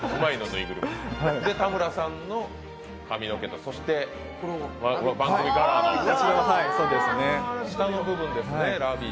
田村さんの髪の毛とそして番組カラーの、下の部分ですね。